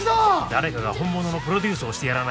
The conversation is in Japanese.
誰かが本物のプロデュースをしてやらないと。